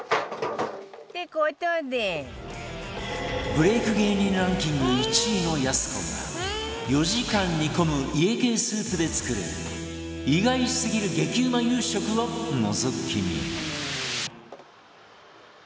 ブレイク芸人ランキング１位のやす子が４時間煮込む家系スープで作る意外すぎる激うま夕食をのぞき見